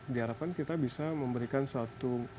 di harapan kita bisa memberikan suatu